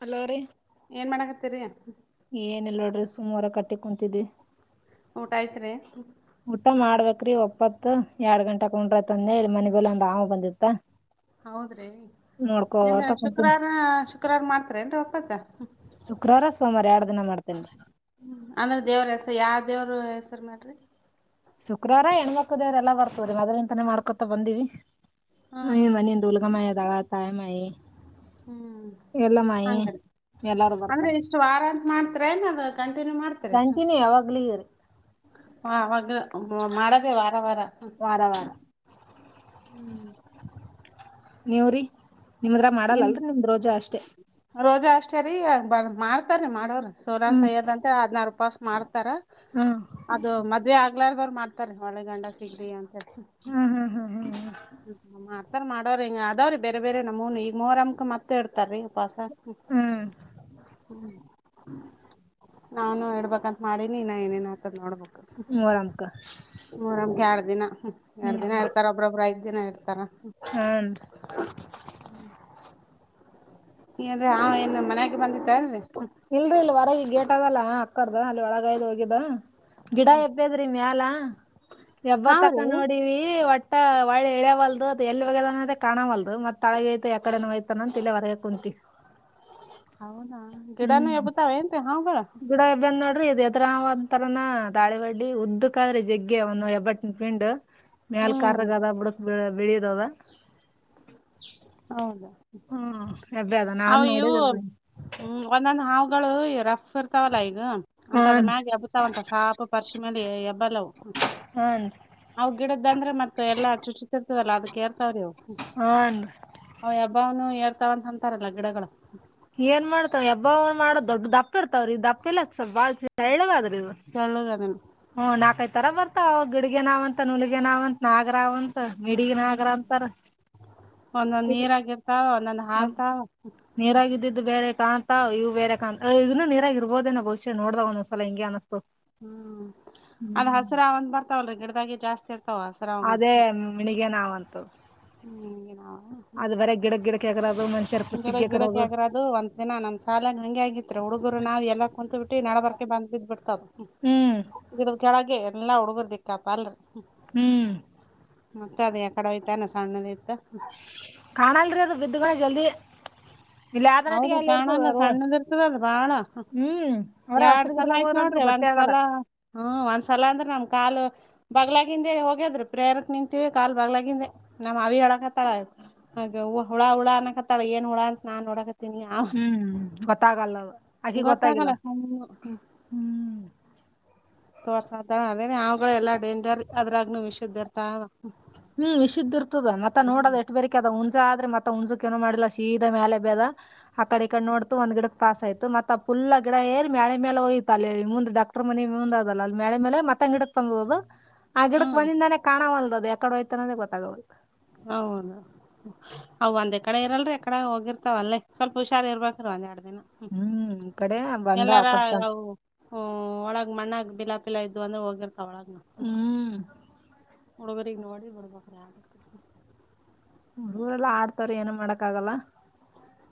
Hello ರೀ ಏನ್ ಮಾಡಕತ್ತರಿ ಏನೆಲ್ಲ ಡ್ರೆಸ್ ಸುಮರ ಕಟ್ಟಿ ಕುಂತಿದೆ ಊಟ ಆಯ್ತ್ರಿ ಊಟ ಮಾಡ್ಬೇಕ್ರಿ ಒಪ್ಪತ್ತು ಎರಡ್ ಗಂಟೆ ಕುೊಂಡ್ರತಂದೆ ಮನೆ ಬಲೆ ಒಂದ ಆಮ ಬಂದಿತ್ತ [unintelligible] ಹೌದ್ರಿ ಏನ್ ನೋಡ್ಕೋತ ಕುಂತೀನಿ ಶುಕ್ರವಾರ ಶುಕ್ರವಾರ ಮಾಡ್ತಾರ ಏನ್ ಉಪವಾಸ ಶುಕ್ರವಾರ ಸೋಮವಾರ ಎರಡ್ ದಿನ ಮಾಡ್ತೇನ್ರಿ ಅಂದ್ರ ದೇವ್ರ ಹೆಸರು ಯಾವ ದೇವರು ಹೆಸರು ಮಾಡ್ರಿ ಶುಕ್ರಾರ ಹೆಣ್ಮಕ್ಕದವ್ರಲ್ಲಾ ಬರ್ತದ ಮದ್ ಇಂತಾನೇ ಮಾಡ್ಕೊತ ಬಂದಿವವಿ ಹಾ ಹಾ ಹ ಮನಿಂದು ಉುಗ ಮಾಾಯದಳ ತಾಯ ಮಾಯಿ ಹ್ಮ್ ಹಂಗಡಿ ಎಲ್ಲಾರು [unintelligible] ಅಂದ್ರೆ ಬರ್ತಾರ ಇಷ್ಟು ವಾರ ಅಂತ ಮಾಡ್ತ್ರೇನ್ದ ಕಂಟಿನ್ಯೂ ಮಾಡ್ತಾರೆ ಹ ಕಂಟಿನ್ಯೂ ಯಾವಾಗ್ಲೂರಿ ಹವಾಗ [unintelligible] ಮಾಡದೇ ವಾರ ವಾರ ವಾರ ವಾರ ಹ್ಮ್ [unintelligible] ನೀವ್ರೀ ನಿಮದ್ರ ಏನ್ ಮಾಡಲ್ಲಲ್ರರಿ ನಿಮ್ದ್ ರೋಜಾ ಅಷ್ಟೇ ರಿ ಬ ಮಾಡ್ತಾರೀ ಮಾಡೋವರು ಸೋರ ಹ್ಮ್ ಸೈಯ್ಯದಂತ ಹದ್ಾರ ರೂಪಾಸ್ ಮಾಡ್ತ ಹ್ಮ್ ಅದು ಮದ್ವೆ ಆಗ್ಲಾರ್ದವ್ರು ಮಾಡ್ತಾರೆ ಮಳೆಗಂಡ ಸಿಗ್ರಿ ಅಂತ ಹ್ಮ್ ಹ್ಮ್ ಹ್ಮ್ ಹ್ಮ್ ಹ ಮಾಡ್ತಾರ ಮಾಡವ್ರ ಹಿಂಗ ಅದಾವ್ರೀ ಬೇರೆ ಬೇರೆ ನಮ್ಮ್ ಈಗ ಮೂರ ಅಮಕ ಮತ್ತತ್ ಇಡ್ತಾರೀ ಉಪವಾಸ ಹ್ಮ್ ನಾನು ಇಡ್ಬೇಕಂತ ಮಾಡಿನಿ ಇಾ ಏನೇನ್ ಆತದ ನೋಡ್ಬಬೇಕು ಮಊರಮಕ್ಕ ಎರಡ್ ದಿನ ಎಡ್ ದಿನ ಹೇತಾರ ಒಬ್ರೊಬ್ಬ ಐ್ ದಿನ ಹೇಳ್ತಾರ ಹಾಂಂಡ ಹ್ಮ್ ಏನ್ೀ ಹಾ ಏನ್ ಮನ್ಯಾಗ ಬಂದಿ ಇಲ್ರರಿ ಇಲ್ ಹೊರಗ ಗೇಟದಲ್ಲ ಅಕ್ಕರ್ದ ಅಲ್ಲಿ ಒಳಗಾಯ್ದ್ ಹೋಗಿದ್ದ ಗಿಡ ಹ್ಮ್ ಹೆಬ್ಬದ್ರಿ ಮ್ಯಾಲ ಎಬ್ಬ ತಕ ಹಾವ್ರೀ ನೋಡಿವ ಒಟ್ಟ ಮ ಒಳ್ಳೆ ಇಳ್ಯವಲ್ದು ಅ ಎಲ್ಲಿ ಒೋಗ್ಯದ ಕಾಣವಲ್ದು ಮತ್ತ ತಳಗ ಯ ಯಕಡೆ ಯಐತಾನ ಅಂತ ತಿಲ್ಲಿಯ ಹೊರಗ ಕುಂತಿ ಹೌದ ಗಿಡನುೂ ಎಬತಾವ ಏನ್ ಹಾವ [inaudible] [unintelligible] ೀ ಇ ಎದರಾವ ತರನ ದಾಳಿ ಬಡ್ಡಿ ಉದ್ದಕ ಆದ್ರಿ ಜಗ್ಗೆ ಒಂದು ಎಬ್ಬಟ್ಟ ಪಿಂಡ್ ಮೇಲ್ ಹ್ಮ್ ಕಗದ ಬಿಡಕ್ಳ ಬೆಳಿಯದದ ಹೌದಾ ಎಬ್ಬ್ಯಾದ ಅ ನಾನ್ ಇವು ನೋಡಿದಿಲ್ರಿ ಹ್ಮ್ ಒಂದೊಂದ್ ಹಾವುಗಳು ರಫ್ ಇರ್ತಾವಲ್ಲಾ ಈಗ ಅಂತದ್ ಹಾನ್ರಿ ಮ್ಯಾಗೆ ಹಬ್ಬತಾವಂತ ಸಾಪು ಪರಿಶಮ ಮೇಲೆ ಎಬ್ಬಲ ಹಾನ್ರಿ ಅವು ಗಿಡದ್ದ ಅಂದ್ರೆ ಮತ್ತೆ ಎಲ್ಲ ಚುಚ್ಚಿರ್ತದಲ್ಲ ಅದಕ್ಕೆ ಹನ್ ಅವ ಹಬ್ಬಾವ್ನು ಏರ್ತಾವಂತ ಅಂತಾರಲ್ಲ ಗಿಡಗಳು ಏನ್ ಮಾಡ್ತಾವ ಎಬ್ಬಾವ್ರು ಮಾಡೋ ದೊಡ್ಡ ದಪ್ಪ ಇರ್ತವ್ರ ಈ ದಪ್ಪ ಎಲ್ಲಾ ಸ್ವ ಬಾದ್ರ ತೆಳ್ಳಗ್ ಅದನ್ ಹ್ಮ ನಾಲ್ಕೈ ತರ ಬತ್ತಾವ ಗಿಡಿಗೆ ನಾವ್ ಅಂತ ನುಲಗ ನಾವ್ಂತ ನಾಗರಾವ್ಂತ ಮಿಡಗ್ ನಾಗರ ಅಂತಾರ ಒಂದೊಂದ ಇದ್ ನೀರಾಗಿ ಇರ್ತಾವ ಒಂದೊಂದ ಒಂದ್ ಹಾರ್ತಾವ ನೀರಾಗ್ ಇದ್ದಿದ್ ಬೇರೆ ಕಾಂತ ಇವು ಬೇರೆ ಕಾಂತ ಇದನ್ನ ನೀರಾಗಿ ಇರ್ಬೋದೇಏೋ ಭವಿಷ್ಯ ನೋಡ್ದಾಗ ಒಂದ್ಲ ಹಿಂ ಹ್ಮ್ ಅದ್ ಹಸಿರ ಒಂದ ಬರ್ತಾವಲ್ ಗಿಡದಾಗೆ ಜಾಸ್ತಿ ಆತ ಅದೇ ಮಿಣಿಗೆ ನಾವಂತು ಹ್ಮ್ಗೆ ಅದ ಬರ ಗಿಡಕ್ ಗಿಡಕ್ ಹಾಕದ ಗಿಡ ಗಿಡಕ್ ಆಗರ ಅದು ಒಂದ ದಿನ ನಮ ಸಾಲ ಹಂಂಗ ಆಗಿತ್ರಿ ಹುಡುಗರು ನಾವವು ಎಲ್ಲ ಕುಂತತ್ ಬಿಟ್ಟ ನಡಬರ್ ಬಂದ್ ಬಿದ್ದ್ ಬಿಡ್ತದ ಹ್ಮ್ ಇದದ ಕೆಳಗೆ ಎಲ್ಲಾ ಹುಡುಗರ್ ದಿಕ್ಕಪ್ಪ ಅಲ್ರಿ ಹ್ಮ್ ಮತ್ತತ್ ಅದ ಯಕಡೆೋಯತಾ ನ ಸಣ್ಣದಯತ ಕಾಣಲ್ರಿ ಅದು ಬಿದ್ದ ಜಲ್ದಿ ಇಲ್ಲಿ ಯಾವ್ದರಟ್ಟಿಗೆ ಹೌದ್ರಿ ಅಲ್ಲಿ ಇರ್ತದ ಕಾಣಲ್ಲ ರೋಡ್ ಸಣ್ಣದ ಇರ್ತದಲ್ ಬಾಳ ಹ್ಮ್ ಅವ್ರ ಎರಡ್ ಹಸ್ರ್ ಸಲ ಗಿಡದಾಗ ಆಯ್ತು ಹೋದ್ರ ನೋಡ್ರಿ ಅಂತ್ರು ಒಂದ ಗೊತ್ತೇ ಒಂದ್ ಆಗಲ್ಲ. ಸಲ ಹ್ಮ ಒಂದ್ಸಲ ಅಂದ್ರೆ ನಮ ಕಾಲು ಬಗ್ಲಾಗಿಿಂದೆ ಹೋಗದ್ರು ಪ್ರೇರಕ್ ನಿಂತೀವಿ ಕಾಲ್ ಬಗ್ಲಾಗಿಿಂದೆ ನಮ್ಮ್ ಅವಿ ಹಡಕತ್ತಾಳ ಹಾಗೆ ಹುಳ ಹುಳ ಅನಕತ್ತಳ ಏನ್ ಹುಳ ಅಂತ ನಾ ನಡಕತ್ತ ಹ್ಮ್ ಗೊತ್ತಾಗಲ್ಲದು ಗತ್ತಾಗಲ ಸಾ ಹ್ಮ್ ತೋರ್ಸಾ್ದಳ ಅದೇನ ಅವವುಗಳ ಎಲ್ಲ ಡೇಂಜರ್ ಅದ್ರಾಗನು ವಿಷುದದ್ಧ ಇರ್ತಾವ ಹ್ಮ್ ವಿಷದ್ ಇರ್ತದ ಮತ್ತ ನೋಡದ್ ಹ್ಮ್ ಎಟ್ ಬರೆಕ ಅದ ಆದ್ರೆತ್ತ ಹುಣಸುಕ್ ಏನ ಮಾಡಿಲ್ಲೀದ ಮೇಲೆ ಬೇದ ಆ ಕಡೆ ಈ ಕಡೆ ನೋಡ್ತು ಒಂದ ಗಿಡಕ್ ಪಾಸ್ ಆಯ್ ಮತ್ತ ಅಪ್ಪ ಇಲ್ಲ ಗಿಡ ಎರಿ ಮಳೆ ಮೇಲೆ ಹೋಗಯತ ಅಲ್ಲಿ ಮುಂದೆ ಡಾಕ್ಟರ್ ಮನೆ ಮುಂದ್ ಅದಲ್ಲ ಅಲ್ಲಿ ಮಳೆ ಮೇಲೆ ಮತ್ತ ಗಿಡಕ್ ತಂದದ ಅದು ಆ ಗಿಡಕ್ ಬಂದಿಂದಾನೇ ಕಾಣವ ಅಲ್ದ ಅದು ಎಕಡೆ ಹೋಯ್ತಾನನದೇ ಗೊತ್ತಾಗೋ್ದು ಹೌದು ಅವ ಒಂದ್ ಕಡೆ ಇರಲ್ರಿ ಎಕಡೆ ಹೋಗಿರ್ತಾವ ಅಲ್ಲೇ ಸ್ವಲ್ಪ ಹುಷಾರಿ ಇರ್ಬೇಕ್ರೀ ಒಂದ್ ಎರಡು ಹ್ಮ ಹ್ಮ್ ಈ ಕಡೆ ಬಂದ ಎಲ್ಲಾರ ಆಕಡೆ ತಂದ್ ಅ ಒಳಗ ಮಣ್ಣಾಗ ಬಿಲಾ ಪಿಲಾ ಇದ್ದ್ ಅಂದ್ರೆ ಹೋಗಿರ್ತಾವ ಒಳಗ್ ಹ್ಮ್ ಹಡುಗೊರಗ್ ನೋಡಿರ ಹುಡುಗ್ರ ಆಗುತ್ತೆ ಹುಡುಗೂರೆಲ್ಲಾ ಆಡ್ತಾರ ಏನ ಮಾಡಕ್ ಆಗಲ್ಲ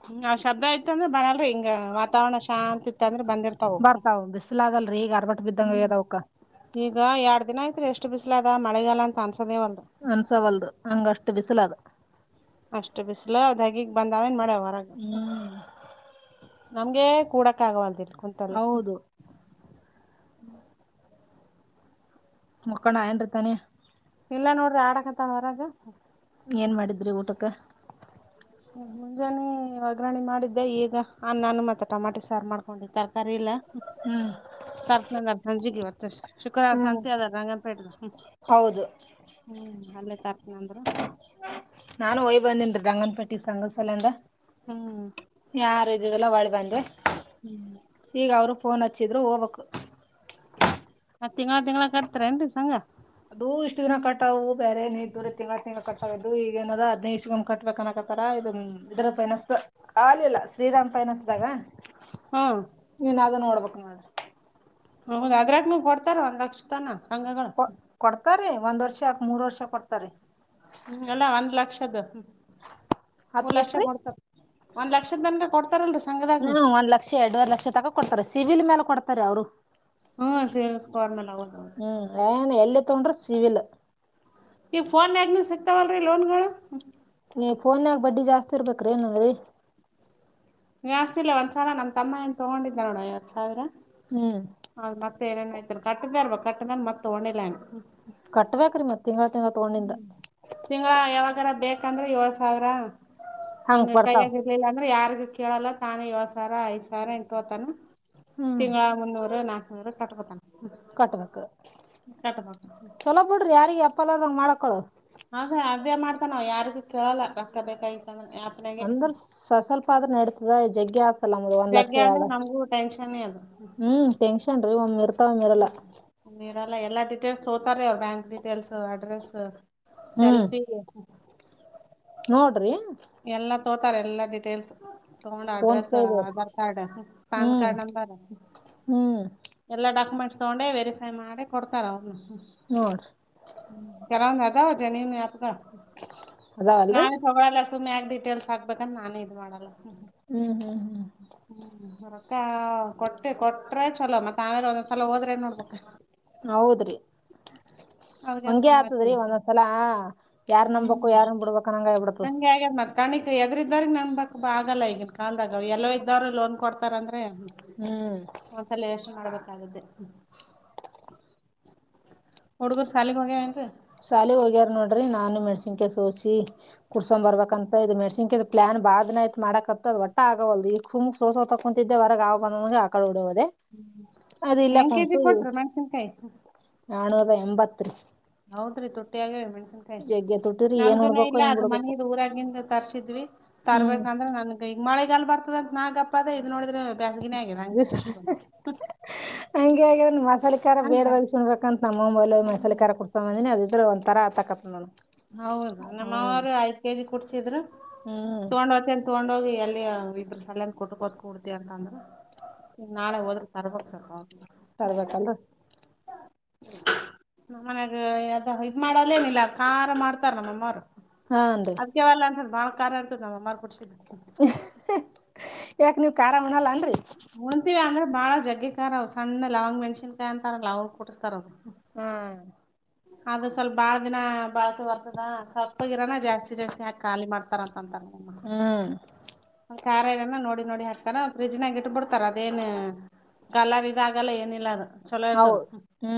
ಹ ನಾವ್ ಶಬ್ದ ಯತ್ ಅಂದ್ರೆ ಬರಲ್ರಿ ಹಿಂಗ ವಾತಾವರ್ರಣ ಶಾಂತಿ ಇತ್ತ ಅಂದ್ರ ಬಂದಿರ್ತಾವ ಬರ್ತಾವ್ ಬಿಸಿಲಾದಲ್ರಿ ಈಗ ಅರ್ಬಟ್ ಬಿದ್ದಂಗ ಹ್ಮ್ ಆಗ್ಯದ ಅವಕ್ಕ ಈಗ ಎರಡು ದಿನ ಷ್ಟ ಬಿಸಲ ಅದ ಮಳೆಗ ಅನ್ತ ಅನ್ಸವಲ್ದು ಹಂಗಷ್ಟು ಬಿಸಿಲದು ಅಷ್ಟ್ ಬಿಸಲು ಅವ್ ಹಾಗಿಗಗ್ ಬಂದಾವೇನ್ ಮಾಡ್ಯವ ಹ್ಮ್ ನಮ್ಗೆ ಕೂಡಕ ಆಗವಲ್ದಿಲ್ ಕುಂತಲ್ಲ ಹೌದು ಮಕ್ಕೊಂಡ ಏನ್ರತಾನೆ ಇಲ್ಲ ನೋಡ್ರಿ ಆಡಕ್ಕಂತನ್ ಹೊರಗ ಏನು ಮಾಡಿದ್ರಿ ಊಟಕ್ಕೆ ಹ್ಮ ಮುಂಜಾನೆ ಒಗ್ಗ್ರರಣಿ ಮಾಡಿದ್ದೆ ಈಗ ಅನ್ನಾನ ಮತ್ತೆ ಟಮಾಟೆ ಸಾರು ಮಾಡ್ಕೊಂಡಿರ್ತಾರೆ ಕರಿಲ್ಲ ಹ್ಮ್ ಕರ್ತ ಸಂಜಿಗೆವತ್ತಷ್ಟ ಶುಕ್ರವಾರ ಹ್ಮ್ ಸಂತೆ ಅದ ರಂಗನಪೇಟೆ ಹೌದು ಹ್ಮ್ ಹಲ್ಲೇ ತಾರಕನಂದ್ರ ನಾನು ಯ್ ಬಂದೇನ್ ಗಂಗನಪೇಟಿ ಸಂಗಸಾಲಂದ ಹ್ಮ್. ಯಾರು ಇದದೆಲ್ಲ ಒಳ ಬಂದೆ ಹ್ಮ್ ಈಗ ಅವ್ರು ಫೋನ್ ಹಚ್ಚಿದ್ರು ಹೋಗವಕ್ ಆ ತಿಂಗಗಳಾ ತಿಂಗಗಳಾ ಕಟ್ತಾರೇನ್ರಿ ಸಂಂಗ ಅದು ಇಷ್ಟ ದಿನ ಕಟ್ಟಾವವು ಬೇರೆ ನೀರ್ ದೂರಿ ತಿಂಗಳು ತಿಂಗಳು ಕಟ್ಟಾವು ಈಗೇನದ ಹದ್ದುಮ ಕಟ್ಬೇಕನಕತ್ತ ತರ ಇದ ಇದರು ಪಯನಸ್ ಆಲಿಲ್ಲ ಶ್ರೀರಾಮ್ ಪಯಣಸ್ದಾಗ ಹ್ಮ್. ನೀನ್ದ ನೋಡ್ಬೇಕು ನೋಡ ಹೌದ ಅದ್ರಾಗನು ಕೊಡ್ತಾರ ಒಂದ್ ಲಕ್ಷ ತನ ಸಂಘಗಳ ಕೊ ಕೊಡ್ತಾರೀ ಒಂದ್ ವರ್ಷ ಮೂರ್ ವರ್ಷ ಕೊಡ್ತಾರೆ ಹ್ಮ ಅಲ್ಲಾ ಒಂದ್ ಲಕ್ಷದ ಹತ್ ಮೂರ್ ಲಕ್ಷ ಎಷ್ಟ್ರೀ ಕೊಡ್ತಾರ ಒಂದ್ ಲಕ್ಷದ ತನಕ ಕೊಡ್ತಾರಲ್ರಿ ಹ್ಮ ಸಂಘದಾಗನು ಒಂದ್ ಲಕ್ಷ ಎರಡುವರ್ ಲಕ್ಷ ತಕಕೊಡ್ತಾರೆ ಸಿವಿಲ್ ಮೇಾಲ ಕೊಡ್ತಾರೆ ಅವ್ರು ಹ್ಮ ಸೇಲ್ಸ್ಕ್ರ್ ಮ ನ ತೊಡ್ರ ಸಿವಲ್ ಈ ಫೋನ್ ಯಾಗನು ಸಿಕ್ತಾವಲ್ರರಿ ಲೋನ್ಗಳು ಫೋನ್ಗ ಬಡ್ಡಿ ಜಾಸ್ತಿ ಇರ್ಬೇಕ್ರೀ ಏನಂದ್ರಿ ಜಾಸ್ತಿಲ್ಲ ಒಂದ್ಸಲ ನಮ್ಮ ತಮ್ಮ ಏನ್ ತಗೊಂಡಿದ್ದ ನೋಡ ಎರಡ್ ಸಾವಿರ ಹ್ಮ್ ಹೌ ಮತ್ತೆ ಏನೇನ್ ಆಯ್ತನೆ ಕಟ್ಟದಾರ ಬ ಕಟ್ಟದ ಮತ್ತ ಒಣಲನ್ ಕಟ್ವ್ಯಾಕರಿ ಮತ್ತ ಹ್ಮ ತಿಂಗಳ ಯಾವಾಗಾರ ಬೇಕಂದ್ರೆ ಏಳ್ ಸಾವಿರ ಹಂಗ್ ಹಂಗ ಕೈ ಬರ್ತಾವ ಆಗಿರ್ಲಿಲ್ಲ ಅಂದ್ರ ಯಾರಿಗ ಕೇಳಲ್ಲ ತಾನೇ ಏಳ್ ಸಾವಿರ ಐದ್ ಸಾವಿರ ಇಂತತಾನ ಹ್ಮ್ ತಿಂಗಳ ಮುನ್ನೂರು ನಾಕ್ನೂರು ಕಟ್ಬತ ಕಟ್ಬೇಕ ಕಟ್ಬೇಕು ಚಲೋ ಬಿಡ್ರಿ ಯಾರಿಗೆ ಯಪ್ಪಲ್ಲದಂಗ ಮಾಡಕ್ಕಳ ಹಾಗೆ ಹ್ಯ ಮಾಡ್ತ ನ ಯಾರಿಗೂ ಕೇಳಲ್ಲ ಕಷ್ಟ ಬೇಕಾಯ್ತು ಅಂದ್ರ ಸ್ವಲ್ಪ ಆದದ್ರ ನೆಡತದ ಜಗ್ಗೆ ಲ ಒಂದ್ ಲಕ್ಷ ಜಗ್ಗೆ ಅಂದ್ರ ಯಾವ ನಮಗೂ ಟೆನ್ಷನ್ನೇ ಹ್ಮ್ ಟೆನ್ಷನ್ ರೀ ಒಮ್ಮ ಇರ್ ಹ್ಮ್ ಇರಲ್ಲ ಎಲ್ಲಾ ಡೀಟೇಲ್ಸ್ ತೋತಾರ ಅವ್ರ ಬ್ಯಾಂಕ್ ಡೀಟೇಲ್ಸ್ ಅಡ್ರೆಸ್ ಹ್ಮ್ ಸೆಲ್ಫಿ ನೋಡ್ರಿ ಎಲ್ಲಾ ತೋತಾರೆ ಎಲ್ಲಾ ಡಿಟೇಲ್ಸ್ ತಗೊಂಡ್ ಫೋನ್ ಅಡ್ರೆಸ್ ಪೇ ಇದೆ ಆಧಾರ್ ಕಾರ್ಡ್ ಪ್ಯಾನ್ ಹ್ಮ್ ಕಾರ್ಡ್ ನಂಬರ್ ಹ್ಮ್ ಎಲ್ಲ ಡಾಕ್ಯುಮೆಂಟ್ಸ್ ತಗೊಂಡೆ ವೆರಿಫೈ ಮಾಡಿ ಕೊಡ್ತಾರ ಅವನು ನೋಡ್ರಿ ಕದಾವ ಜನ ಅದಾವಲ್ರಿ ನಾಾವೇ ಲ ಸುಮ್ಮ್ಯಾಗೆ ಡಿಟೇಲ್ ಹಾಕ್ಬೇಕಂತ ನಾನೇ ಇದು ಮಾಡೋಲ್ಲಾ ಹು ಹು ಹು ಕಾ ಕೊಟ್ಟೆ ಕೊಟ್ರೆ ಚಲೋ ಮತ್ತ ಆಮೇಲೆ ಒಂದ್ಸಲ ಹೋದ್ರೆನ್ ನೋಡ್ಬೇಕ ಹೌದ್ರಿ ಟಕ್ ಅವ್ರಿಗೆ ಹಂಗೆ ಆತದ್ರಿ ಸುಮ್ಮಾಗ್ತೀನಿ ಒಂದೊಂದ್ಸಲಾ ಯಾರ್ ನಂಬಕು ಯಾರನ್ ಬಿಡಬೆಕು ಅಣ್ಣಂಗಾಗಿಬಿಡುತ್ತದ. ಮತ್ತ ಕಣಿಕ್ ಎದ್ರ ಇದಾರ ನಂಬಕ್ ಆಗಲ್ಲ ಈಗ ಕಾಲದಾಗ ಎಲ್ಲೋ ಇದ್ದೋರು ಲೋನ್ ಕೊಡ್ತಾರಂದ್ರ ಬೆ ಹ್ಮ್ ಒಂದಸಲೇ ಎಷ್ಟು ಮಾಡ್ಬೇಕ ಹೌದು ಹುಡುಗುರು ಸಾಲಿಗೆ ಹೋಗ್ಯಾವೆನರಿ ಶಾಲೆಗೆ ಹೋಗ್ಯಾರ ನೋಡ್ರಿ ನಾನು ಮೆಣಸಿನ್ ಕಾಯಿ ಸೋಸಿ ಕುಡ್ಸೊಂಡ್ ಬರ್ಬೇಕಂತ ಇದ ಮೆಣಸಿನಕಾಯಿದ ಪ್ಲಾನ್ ಬಾಳದಿನಾ ಆಯತ್ ಮಾಡಕತ್ತ ಅದ ಒಟ್ಟ ಆಗವಲದ ಈ ಸುಮ್ಮ್ ಸೋಸಗೊತಕುಂತಿದ್ದೆ ಹೊರಗ ಆವಬರವರಿಗೆ ಆಕಳಡವ ದ್ದೆ ಅದ ಇಲ್ಲೆ ಹೆಂಗ್ ಕುಂತು ಕೊಟ್ರಿ ಮೆಣಸಿನಕಾಯಿ? ನಾನೂರಾ ಎಂಬತ್ ರೀ ಹೌದ್ರೀ ತುಟ್ಟಿ ಆಗೇವೆ ಮೆಣಸನಕಾಯಿ ಜಗ್ಗಿ ತುಟ್ಟಿರಿ ಏನ್ ನಮ್ಮದೂನು ಉಣ್ಬೇಕೋ ಇಲ್ಲಾ ಏನ್ ಅದ್ ಬಿಡ್ಬೇಕೋ ಮನ್ನಿದ ಊರಾಗಿಂದು ತರ್ಸಿದ್ವಿ ಹ್ಮ್ ತರ್ಬೇಕಂದ್ರ ನನಗ ಈಗ ಮಳಿ ಮಳಿಗಾಲ್ ಬರ್ತದಂತ ನಾ ಗಪ್ಪಆದೆ ಇದ್ ನೋಡಿದ್ರೆ ಬ್ಯಾಸಗಿನೇ ಆಗಿದ ಹಂಗ ಬಿಸ್ಲ್ ಬಿಸಲ್ ಬಂದ ಹಕ್ ಹಂಗೆ ಆಗ್ಯಾದ್ ಮಸಾಲಿ ಕಾರಾ ಬೇಡವಾಗಿ ತಿನ್ನಬೇಕಂತ ನಮ್ಮ ಮಸಾಲಿ ಹ್ಮ್. ಕಾರಾ ಕುಡ್ಸೊ ಬಂದಿನಿ ಅದಿದ್ರೆ ಒಂದ ತರಾ ಹತಾಕಟ್ಟೇತಿ ನೋಡ್ ಹೌದು ನಮ್ಮಮಾವಾರು ಐದ್ ಕೆಜಿ ಕುಡ್ಸಿದ್ರು ಹ್ಮ್ ತಗೊಂಡ್ ಹೊಕ್ಕಿನ ತಗೊಂಡ ಹೋಗಿ ಎಲ್ಲಿ ಇಬ್ಬರು ಸಲ್ಲಂದ ಕೊಟ್ಟು ಕೋತ್ಕ ಕುಡ್ತಿ ಅಂತ ಅಂದ್ರ ನಾಳೆ ಹೋದ್ರ ತರ್ಬೇಕು ಸಾಕೋ ತರ್ಬೇಕಲ್ ಡ್ರಿ ನಮ್ಮ ಮನ್ಯಾಗ ಅದ ಇದ್ ಮಾಡಲ್ಲೇನಿಲ್ಲ ಖಾರ ಮಾಡ್ತಾರ ನಮ್ಮ ಅಮ್ಮಾರು ಹಾನ್ರಿ ಅದ್ಕವಲ್ಲಾ ಅಂತ ಬಾಳ ಖಾರ ಇರ್ತದ ನಮ್ಮ ಅಮ್ಮಾರ್ ಕೊಡ್ಸಿದ ಯಾಕ್ ನೀವ ಖಾರಮಾಡಲ್ಲ ನಡ್ರಿ ಉಣತಿವಿ ಅಂದ್ರೆ ಬಾಳ ಜಗ್ಗಿಕಾರ ಅವ್ ಸಣ್ಣ ಲವಂಗ ಮೆಣಸಿನಕಾಯಿ ಅಂತಾರ ಲವಂಗ ಕುಟ್ಸಸ್ತಾರ ಅವ ಹ್ಮ್ ಅದು ಸ್ವಲ್ಪ ಬಾಳ ದಿನಾ ಬಾಳಕಿ ಬರ್ತದ ಸ್ವಲ್ಪ ಗಿರಾನ ಜಾಸ್ತಿ ಜಾಸ್ತಿಹಾಕ್ ಖಾಲಿ ಮಾಡ್ತ ತರಾ ತಂದ ಹು ಕಾರ ಇರನ ನೋಡಿ ನೋಡಿ ಹಾಕ್ತಾರಾ ಫ್ರಿಜ್ನ್ಯಾಗ ಇಟ್ಟ ಬಿಡ್ತಾರ ಅದೇನ್ ಗಲರ್ ಇದಾಗಲ್ಲಾ ಏನಿಲ್ಲ ಅದು ಚಲೋ ಹೌದ ಇರ್ತದ. ಹು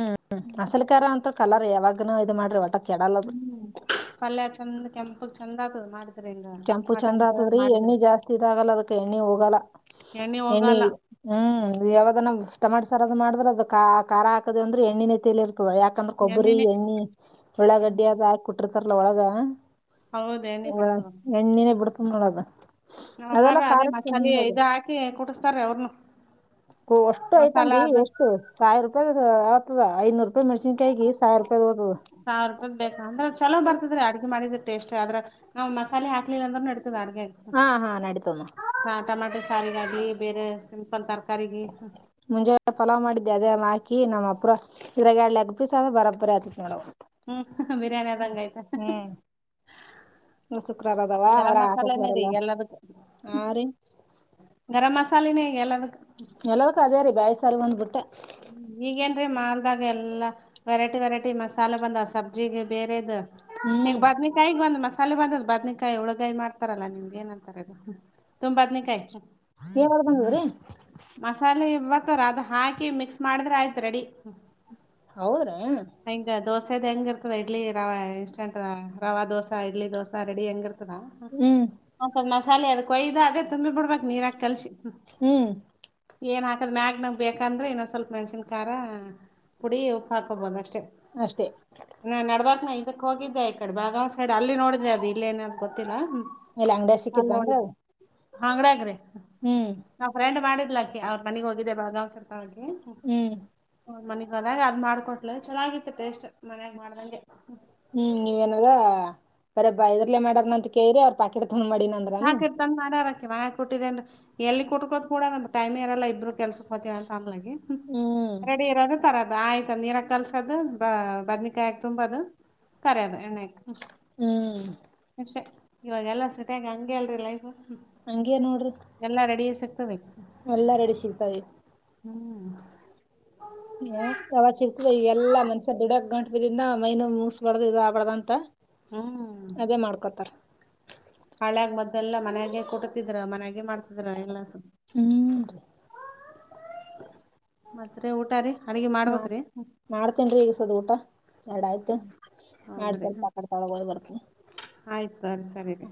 ಮಸಾಲಿಕಾರ ಅಂತ ಕಲರ್ ಯಾವಾಗ ಹು ಪಲ್ಯ ಚಂದ ಕೆಂಪಗ್ ಚಂದ ಆಗತದ ಮಾಡಿ ಕೆಂಪು ಚೆಂದ ಆತದ್ರೀ ಎಣ್ಣೆ ಜಾಸ್ತಿ ಇದಾಗಲ್ಲ ಅದಕ್ಕೆ ಎಣ್ಣೆ ಹೋಗಲ್ಲಾ ಎಣ್ಣಿ ಹೋಗಲ್ಲ ಎಣ್ಣಿಹು ಯಾವ್ದಾನ ಮುಗಸ್ ತಮಾಟಿ ಸಾರ್ ರದು ಮಾಡ್ರ ಅದು ಖಾರ ಹಾಕದ ಅಂದ್ರೆ ಎಣ್ಣಿನೆ ತಲಿತ ತದ ಯಾಕಂದ್ರೆ ಕೊಬ್ಬರಿ ಎಣ್ಣಿನೇ ಎಣ್ಣೆ ಉಳ್ಳಾಗಡ್ಡಿ ಅದು ಹಾಕ ಕೊಟ್ಟಿರ್ತಾರಲಾ ಒಳಗ ಹೌದು ಎಣ್ಣಿ ಬಿಡ್ತದ ಎಣ್ಣಿ ಬಿಡ್ತಾದನೋದಾದು ನಮ್ಮಮ್ಮಾರು ಅದೇ ಮಸಾಲೆ ಇದ ಹಾಕಿ ಕುಡ್ಸ್ತಾರ ಅವ್ರನು ಓ ವಷ್ಟು ಐಟಮ್ ಮಸಾಲಾ ರಿ ಅದು ಎಷ್ಟು ಸಾವಿರ ರೂಪಾಯದದ ಹತದ ಐನೂರು ರೂಪಾಯಿ ಮೆಣಸಿನಕಾಯಿಗೆ ಸಾವಿರ ರೂಪಾಯಿ ಹೋದವು ಸಾವಿರ ರೂಪಾಯದ ಬೇಕ ಅಂದ್ರ ಚಲೋ ಬರ್ತದರಿ ಅಡ್ಗೆ ಮಾಡಿದ್ರ ಟೇಸ್ಟ್ ಆದ್ರ ನವು ಮಸಾಲ ಹಾಕ್ಲಿಲ್ಲ ಅಂದ್ರ ನಡ ತದ ಅಡಿಗೆಗೆ ಹಾ ಹಾ ನಡೀತಮ್ಮ ಅವ್ವ ಟಮಾಟೆ ಸಾರಿಗಾಗ್ಲಿ ಬೇರೆ ಸಿಂಪಲ್ ತರಕಾರಿಗೆ ಬಾಕಿ ನಮ್ಮ ಅಪ್ರ ಇದರಾಗಎರಡ ಲೆಗ್ ಪೀಸ್ಆದ್ರ ಬರಬರಿ ಆಗತತಿ ನೋಡವ್ವಾ ಹು ಹ್ಹುಕ್ ಬಿರಿಯಾನಿ ಆದಂಗ ಆಯ್ತಹಕು ಶುಕ್ರವಾರ ಅದಾವ ಗರಂ ಅದ್ರ ಹಾಕಕ್ ಮಸಾಲೆನೇ ರೀ ಬರಲ್ಲ ಎಲ್ಲದಕ್ಕು ಹಾ ರೀ ಗರಂ ಮಸಾಲೆನೆ ಇಗ ಎಲ್ಲಾ ದಕ್ಕು ಇಲ್ಲಾದಕ್ಕೂ ಅದೆ ರಿ ಬ್ಯಾಲಿ ಸಾರ ಒಂದ ಬಿಟ್ಟ ಹು ಈಗೇನ್ರೀ ಮಾಲದಾಗ ಎಲ್ಲಾ ವೆರೈಟಿ ವೆರೈಟಿ ಮಸಾಲ ಬಂದವ ಸಬ್ಜಿಗೆ ಬೇರೆದ ಈಗ ಹ್ಮ್ ಬಾದ್ನಿಕಾಯಿಗ್ ಬಂದು ಮಸ್ ತಲೆ ಬಂದದ ಬದ್ನೇಕಾಯಿ ಹಳಗಾಯಿ ಮಾಡ್ತಾರಲ್ಲ ನಿಮಗ ಏನಂತಾರ ಅದಕ ತುಂಬ್ ಬದ್ನೇಕಾಯಿ [unintelligible] ಹತರ ಅದು ಹಾಕಿ ಮಿಕ್ಸ್ ಮಾಡಿದ್ರೆ ಆಯ್ತು ರೆಡಿ. ಹೌದ್ರಾ ದೋಸ ಹೆಂಗ ಇರ್ತದ ಇಡ್ಲಿ ರವೆ ಇನ್ಸ್ಟಂಟ್ ರವಾ ದೋಸ ಇಡ್ಲಿ ದೋಸಾ ರೆಡಿ ಹೆಂಗ ಇರ್ತದೆ. ಹ್ಮ್ ಮ ಮಸಾಲೆ ಅದು ಕೊಯ್ದು ಅದೇ ತುಂಬಿ ಬಿಡ್ಬೇಕ ನೀರಾಕ ಕಲ್ಸ ಹ್ಮ್ ಏನ್ ಹಾಕದ್ ಮ್ಯಾಗ ನಾಗ ಬೇಕ ಯಾಂದ್ರೆ ಇನ್ನೊ ಸ್ವಲ್ಪ ಮೆಣಸನ್ ಖಾರ ಪುಡಿ ಉಪ್ಪು ಹಾಕೋಬಹುದು ಅಷ್ಟೇ ಅಷ್ಟೇ ನೆಡ್ಬೇಕ್ನಾ ಅದಕ್ಕೆ ಹೋಗಿದ್ದೆ ಈ ಕಡೆ ಬಳಗಾವ್ ಸೈಡ್ ಅಲ್ಲಿ ನೋಡಿದೆೆ ಅದು ಇಲ್ಲ ಏನ ಅ ಗೊತ್ತಿಲ್ಲ ಇಲ್ಲ ಅಂಗಡಿಯ ಸಿಕ್ಕಿತ್ ಅಂಗ ಅಂಗ್ಡಾಗ್ರಿ ನಾವ್ ಫ್ರೆಂಡ್ ಮಾಡಿದ್ಲಾಕಿ ಅವ್ರ ಮನಗ್ ಹೋಗಿದ್ದೆ ಬಾವ್ರ್ತ ಹ್ಮ್ [unintelligible] [unintelligible] ಅದ್ ಮಾಡ್ಕೊಟ್ಲು ಚೆನ್ನಾಗಿತ್ತು ಟೇಸ್ಟ್ ಮನ್ಯಾಗ ಮಾಡದಂಗೆ ಹ್ಮ್ ನೀವೇನದ ಬರ ಬೈದರ್ಲೆೇ ಮಾಡಾರನ ಅಂತ ಕೇಳ್ರರಿ ಅವ್ರ ಪಾಕೆಟ್ ಫೋನ್ ಮಾಡಿನ ಅಂದ್ರನ ಕೊಟ್ಟಿದ್ದೇ ಎಲ್ಲಿ ಕುಟ್ಕೋ ಕೂಡ್ರ ಟೈಮಿ ಇರಲ್ಲ ಇಬ್ರು ಕೆಲ್ಸಕ್ ಹತವಿ ಅನ್ ಹ್ಮ್ ರೆಡಿ ಇರೋರ್ ತರ ಆಯ್ತ ನೀರ ಕಲಸೋದು ಬ ಬದ್ನಕಾಯಿ ತುಂಬದು ಕರೋದು ಎಣ್ಣೆ ಹ್ಮ್ ಅಷೆ ಇವಾಗ ಎಲ್ಲ ಸತಿ ಆಗ ಹಂಗೆ ಅಲ್ರಿ ಲೈಫ್ ಹಂಗೆ ನೋಡ್ರಿ ಎಲ್ಲಾ ರೆಡಿ ಸಿಗ್ತದೆ ಎಲ್ಲಾ ರೆಡಿ ಸಿಗ್ತಾವೆ ಹ್ಮ್ ಹ ಯಾವ ಸಿಗ್ತ ಎಲ್ಲಾ ಮನ್ಷ್ಯ ದುಡ ಗಂ ಬಿದಿಂದ ಮೈನ ಮುಸ್ಬಾರ್ದ ಇದು ಆಬಾರ್ದ ಅಂತ ಹ್ಮ್ ಅದೇ ಮಾಡ್ಕೊತಾರ ಹಳಾಗ ಮದ್ದೆಲ್ಲ ಮಯಾಗೆ ಕೊಟ್ಟತಿದ್ರ ಮನ್ಯೆ ಮಾಡ್ತಿದ್ರ ಎಲ್ಲಸ ಹ್ಮ್ ಮತ್ತೆ ಊಟ ರಿ ಮಾ ಮಾಡ್ತೇನ್ ರಿ ಈಗಸದ ಊಟ ಎರಡ ಆಯ್ತು ಆಡ್ ಸ್ವಲ್ಪ ಆಡ್ ತೊಳಗೋದು ಬರ್ತನ್ ಆಯ್ತುರಿೀ ಸರಿ ರಿ